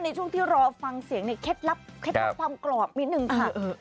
ในช่วงที่รอฟังเสียงนี่เท็ดรับความกรอบนิดนึงค่ะ